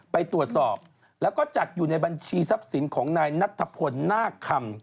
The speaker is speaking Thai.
ไปตรวจสอบแล้วก็จัดอยู่ในบัญชีทรัพย์สินของนายนัทพลนาคคำ